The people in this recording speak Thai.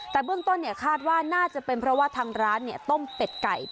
แต่เบื้องต้นคาดว่าน่าจะเป็นเพราะว่าทางร้านต้มเป็ดไก่